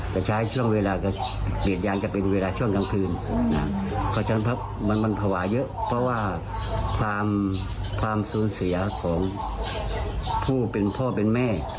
แต่ใช้ช่วงเวลาก็เป็นเวลาช่วงกลางคืนเพราะฉะนั้นมันเผาหวาเยอะเพราะว่าความสูญเสียของผู้เป็นพ่อเป็นแม่